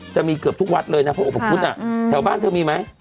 จะมีเกือบทุกวัดเลยนะเพราะอุปคุฎแถวบ้านเธอมีไหม